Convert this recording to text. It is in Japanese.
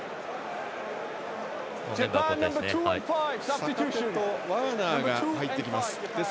坂手とワーナーが入ってきます。